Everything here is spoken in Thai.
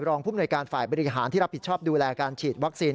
ผู้มนวยการฝ่ายบริหารที่รับผิดชอบดูแลการฉีดวัคซีน